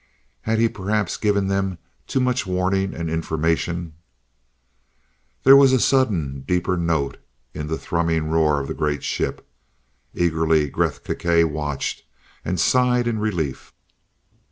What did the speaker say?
Had he perhaps given them too much warning and information? There was a sudden, deeper note in the thrumming roar of the great ship. Eagerly Gresth Gkae watched and sighed in relief.